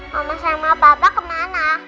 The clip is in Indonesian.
mama sama papa kemana